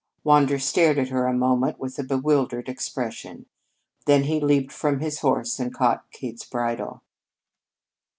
Wander stared at her a moment with a bewildered expression. Then he leaped from his horse and caught Kate's bridle.